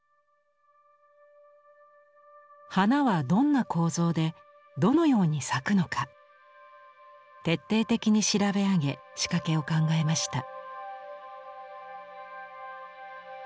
花はどんな構造でどのように咲くのか徹底的に調べ上げ仕掛けを考えました。